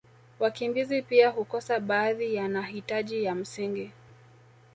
wakimbizi pia hukosa baadhi ya nahitaji ya msingi